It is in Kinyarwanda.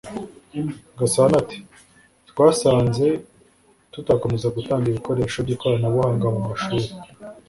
Gasana ati “Twasanze tutakomeza gutanga ibikoresho by’ikoranabuhanga mu mashuri